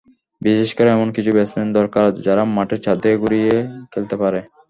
বিশেষ করে এমন কিছু ব্যাটসম্যান দরকার, যারা মাঠের চারদিকে ঘুরিয়ে খেলতে পারে।